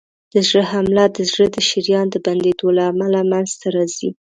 د زړه حمله د زړه د شریان د بندېدو له امله منځته راځي.